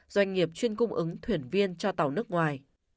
doanh nghiệp chuyên cung ứng thuyền viên cho tàu nước ngoài